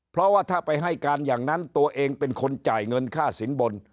เพราะว่าถ้าไปให้การอย่างนั้นตัวเองเป็นคนจ่ายเงินค่าสินบน